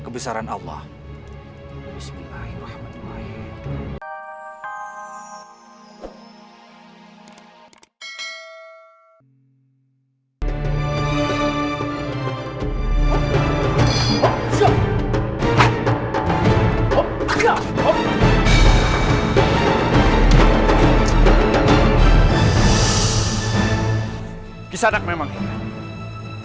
biarkan dia masuk